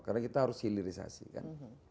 karena kita harus hilirisasi kan